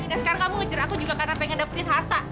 dan sekarang kamu ngejar aku juga karena pengen dapetin harta